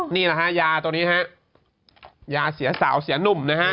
นี่แหละฮะยาตัวนี้ฮะยาเสียสาวเสียหนุ่มนะฮะ